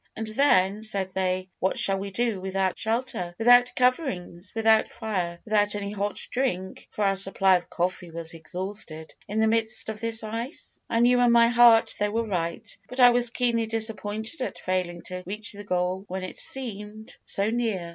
'And then,' said they, 'what shall we do without shelter, without coverings, without fire, without any hot drink (for our supply of coffee was exhausted), in the midst of this ice?' I knew in my heart they were right, but I was keenly disappointed at failing to reach the goal when it seemed so near.